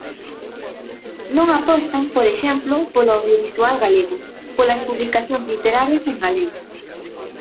Non apostan, por exemplo, polo audiovisual galego, polas publicacións literarias en galego.